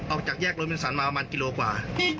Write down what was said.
ออกจากแยกโรบินสันมาประมาณกิโลกว่า